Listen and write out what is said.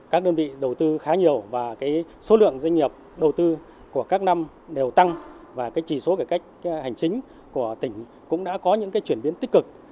các đơn vị đầu tư khá nhiều và số lượng doanh nghiệp đầu tư của các năm đều tăng và chỉ số cải cách hành chính của tỉnh cũng đã có những chuyển biến tích cực